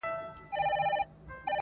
هر سړي ته خپله ورځ او قسمت ګوري.!